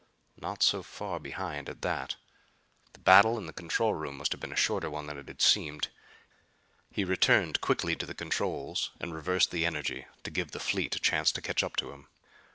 Not so far behind at that. The battle in the control room must have been a shorter one than it had seemed. He returned quickly to the controls and reversed the energy, to give the fleet a chance to catch up to him.